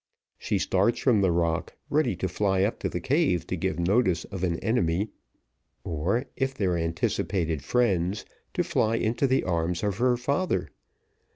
She starts from the rock ready to fly up to the cave to give notice of an enemy, or, if their anticipated friends, to fly into the arms of her father.